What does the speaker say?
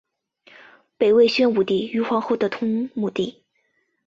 北魏宣武帝于皇后的同母弟。